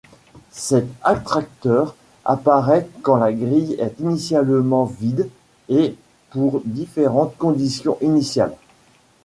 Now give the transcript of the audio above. Cet attracteur apparaît quand la grille est initialement vide et pour différentes conditions initiales.